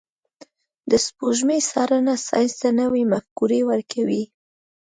د سپوږمۍ څارنه ساینس ته نوي مفکورې ورکوي.